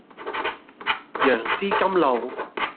楊枝甘露